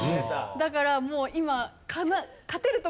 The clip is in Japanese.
だからもう今。